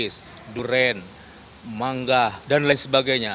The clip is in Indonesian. kekis duren manggah dan lain sebagainya